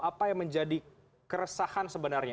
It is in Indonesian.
apa yang menjadi keresahan sebenarnya